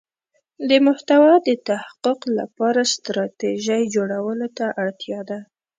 د محتوا د تحقق لپاره ستراتیژی جوړولو ته اړتیا ده.